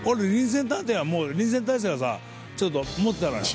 俺臨戦態勢はさちょっと取ってたのよ。